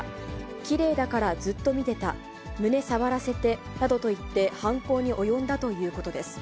きれいだからずっと見てた、胸触らせてなどと言って犯行に及んだということです。